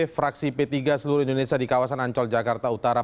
fraksi p tiga seluruh indonesia di kawasan ancol jakarta utara